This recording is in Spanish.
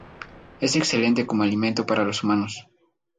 Es excelente como alimento para los humanos.